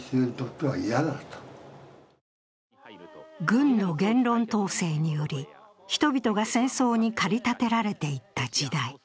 軍の言論統制により、人々が戦争に駆り立てられていった時代。